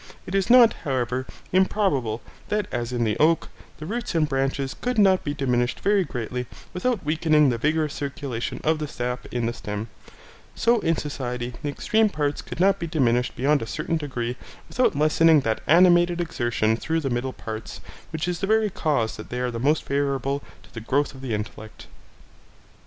It is not, however, improbable that as in the oak, the roots and branches could not be diminished very greatly without weakening the vigorous circulation of the sap in the stem, so in society the extreme parts could not be diminished beyond a certain degree without lessening that animated exertion throughout the middle parts, which is the very cause that they are the most favourable to the growth of intellect.